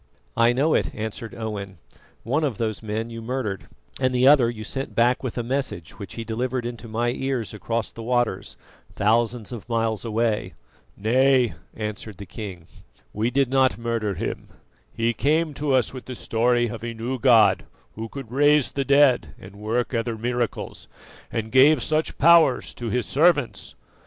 "I know it," answered Owen; "one of those men you murdered, and the other you sent back with a message which he delivered into my ears across the waters, thousands of miles away." "Nay," answered the king, "we did not murder him; he came to us with the story of a new God who could raise the dead and work other miracles, and gave such powers to His servants.